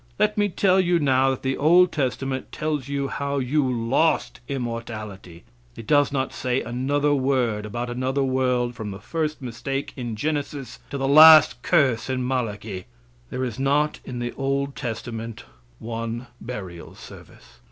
Let me tell you now that the old testament tells you how you lost immortality; it does not say another word about another world from the first mistake in Genesis to the last curse in Malachi. There is not in the old testament one burial service.